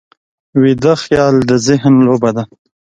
ویده خیال د ذهن لوبه ده